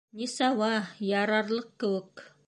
Нисауа, ярарлыҡ кеүек.